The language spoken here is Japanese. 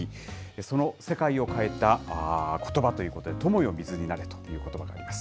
その世界を変えたことばということで、友よ水になれということばがあります。